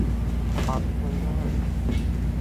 ขอบคุณเด้อ